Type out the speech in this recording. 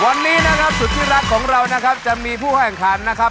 วันนี้นะครับศึกสุดที่รักของเรามีผู้แห่งคราญ